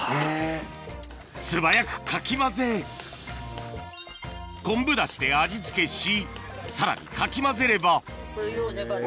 素早くかき混ぜ昆布だしで味付けしさらにかき混ぜればよう粘って。